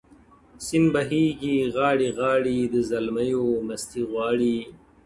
سیند بهیږي غاړي غاړي د زلمیو مستي غواړي!!